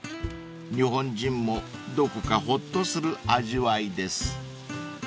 ［日本人もどこかほっとする味わいです］